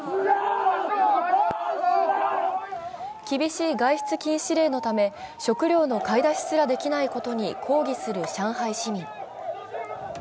厳しい外出禁止令のため、食料の買い出しすらできないことに抗議する上海市民。